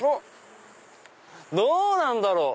どうなんだろう？